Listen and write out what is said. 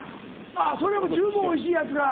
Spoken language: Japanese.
あっそれも十分おいしいやつが。